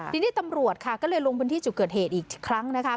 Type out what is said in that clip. ทีนี้ตำรวจค่ะก็เลยลงพื้นที่จุดเกิดเหตุอีกครั้งนะคะ